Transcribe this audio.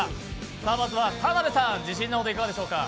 まずは田辺さん、自信のほど、いかがでしょうか？